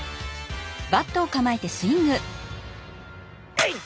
えいっ！